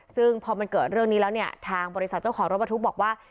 ซึ่งพอมันเกิดเรื่องนี้แล้วเนี่ยทางบริษัทเจ้าของรถบรรทุกบอกว่า